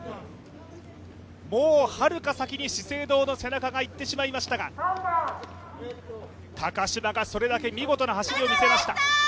もうはるか先に資生堂が行ってしまいましたが高島が、それだけ見事な走りを見せました。